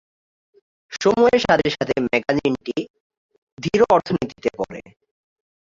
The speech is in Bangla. সময়ের সাথে সাথে ম্যাগাজিনটি ধীর অর্থনীতিতে পড়ে।